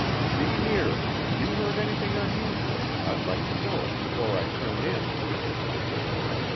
"See here, if you heard anything unusual, I'd like to know it before I turn in."